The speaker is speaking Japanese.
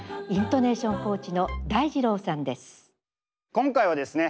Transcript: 今回はですね